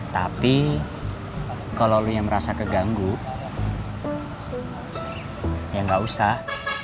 tapi kalau lo yang merasa keganggu ya nggak usah